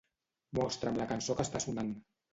Mostra'm la cançó que està sonant.